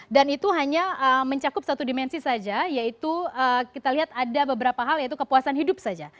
dan itu hanya mencakup satu dimensi saja yaitu kita lihat ada beberapa hal yaitu kepuasan hidup saja